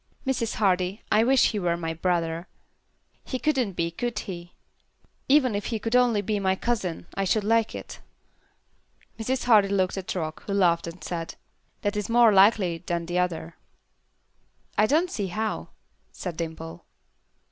"Mrs. Hardy, I wish he were my brother. He couldn't be, could he? Even if he could only be my cousin, I should like it." Mrs. Hardy looked at Rock, who laughed and said, "That is more likely than the other." "I don't see how," said Dimple.